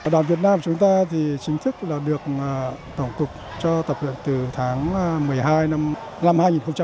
đoàn việt nam chúng ta chính thức được tổng cục cho tập luyện từ tháng một mươi hai năm hai nghìn một mươi năm